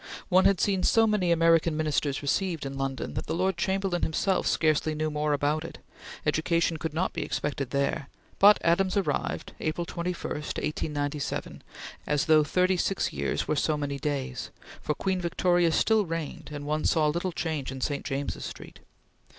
One had seen so many American Ministers received in London that the Lord Chamberlain himself scarcely knew more about it; education could not be expected there; but there Adams arrived, April 21, 1897, as though thirty six years were so many days, for Queen Victoria still reigned and one saw little change in St. James's Street.